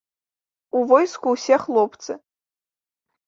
У войску ўсе хлопцы.